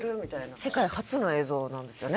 世界初の映像なんですよね